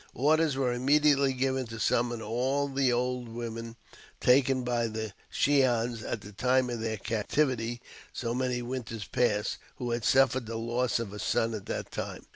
Orders were immediately given to summon all the old women taken by the Shi ans at the time of their captivity so many winters past, who had suffered the loss of a son at that time.